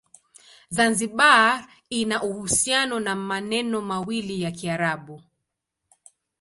Zanzibar ina uhusiano na maneno mawili ya Kiarabu.